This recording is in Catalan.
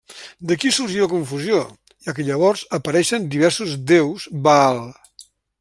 D'aquí sorgí la confusió, ja que llavors apareixen diversos déus Baal.